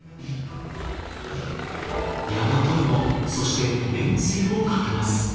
大和芋そしてめんつゆをかけます。